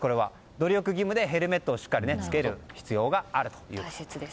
努力義務でヘルメットをしっかり着ける必要があるということです。